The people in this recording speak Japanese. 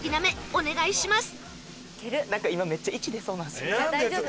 お願いします。